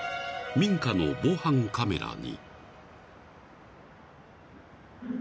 ［民家の防犯カメラに］